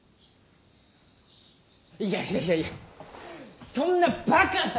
いやいやいやいやそんなバカな。